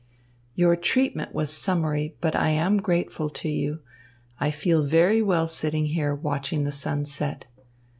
"Your treatment was summary, but I am grateful to you. I feel very well sitting here, watching the sun set.